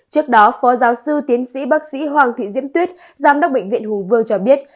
trước đó phó giáo sư tiến sĩ bác sĩ hoàng thị diễm tuyết giám đốc bệnh viện hùng vương cho biết